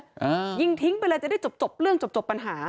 อ่ายิงทิ้งไปเลยจะได้จบจบเรื่องจบจบปัญหา